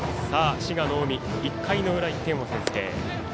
滋賀の近江、１回の裏１点を先制。